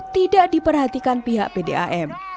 tidak diperhatikan pihak pdam